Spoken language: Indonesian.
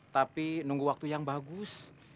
tapi nunggu waktu yang bagus